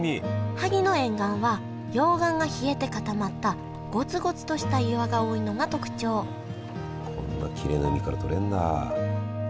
萩の沿岸は溶岩が冷えて固まったごつごつとした岩が多いのが特徴こんなきれいな海から採れんだ。